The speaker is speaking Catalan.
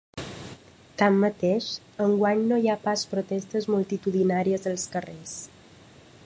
Tanmateix, enguany no hi ha pas protestes multitudinàries als carrers.